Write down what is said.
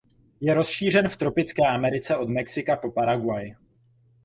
Je rozšířen v tropické Americe od Mexika po Paraguay.